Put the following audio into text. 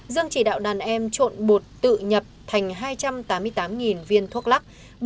dương chỉ đạo đàn em trộn bột tự nhập thành hai trăm tám mươi tám viên thuốc lắc